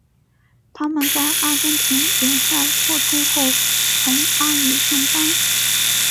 他们在阿根廷联赛扩充后从阿乙升班。